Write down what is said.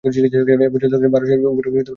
এভাবে চলতে থাকে ভারতের উপর ব্রিটিশ শাসন।